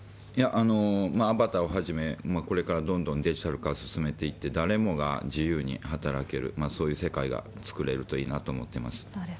アバターをはじめ、これからどんどんデジタル化を進めていって、誰もが自由に働ける、そういう世界が作れるといいなと思っています。